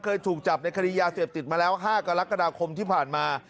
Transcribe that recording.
เคยถูกจับในคดียาเสพติดมาแล้ว๕กรกฎาคมที่ผ่านมา